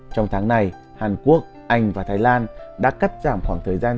trong tháng này hàn quốc anh và thái lan đã cắt giảm khoảng thời gian